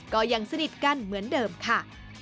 ก็ยังสนิทกันเหมือนเดิมค่ะ